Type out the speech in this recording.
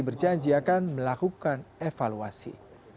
berjanji akan melakukan evaluasi